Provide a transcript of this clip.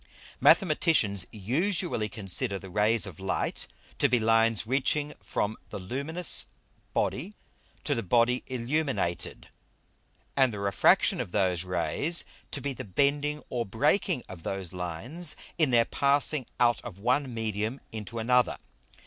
_ Mathematicians usually consider the Rays of Light to be Lines reaching from the luminous Body to the Body illuminated, and the refraction of those Rays to be the bending or breaking of those lines in their passing out of one Medium into another.